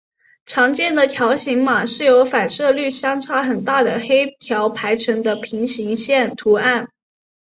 常见的条形码是由反射率相差很大的黑条排成的平行线图案。